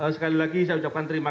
sekali lagi saya ucapkan terima kasih